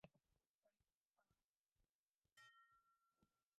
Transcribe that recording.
Con ese dinero pagaban el alquiler del local de ensayo y los instrumentos.